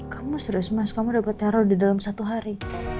kamu serius mas kamu dapat teror di dalam satu hari